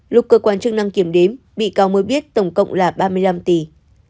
lúc cơ quan chức năng kiểm đếm bị cáo mới biết tổng cộng là ba mươi năm tỷ